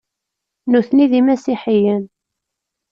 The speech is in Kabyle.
Nitni d imasiḥiyen.